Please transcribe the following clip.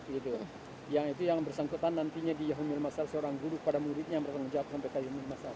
jadi dia akan bersangkutan nantinya di yahumil masar seorang guru pada muridnya yang bertanggung jawab sampai ke yahumil masar